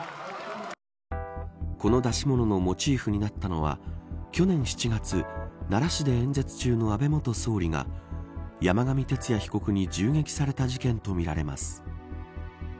この出し物のモチーフになったのは去年７月、奈良市で演説中の安倍元総理が山上徹也被告に銃撃された事件とみられます。